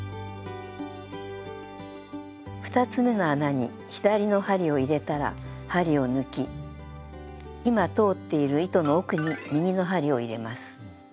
２つめの穴に左の針を入れたら針を抜き今通っている糸の奥に右の針を入れます。